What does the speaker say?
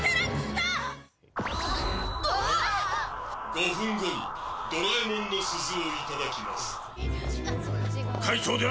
５分後にドラえもんの鈴をいただきます。